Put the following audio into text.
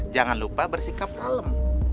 jangan lupa bersikap calem